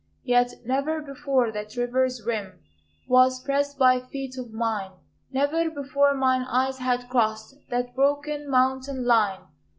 Yet ne'er before that river's rim Was pressed by feet of mine, Never before mine eyes had crossed That broken mountain line.